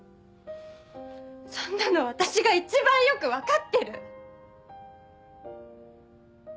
そんなの私が一番よく分かってる！